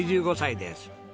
８５歳です。